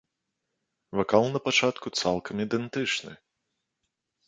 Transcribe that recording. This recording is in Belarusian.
Вакал на пачатку цалкам ідэнтычны.